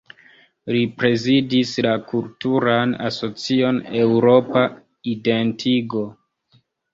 Li prezidis la kulturan asocion Eŭropa Identigo.